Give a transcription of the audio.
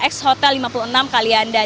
x hotel lima puluh enam kalianda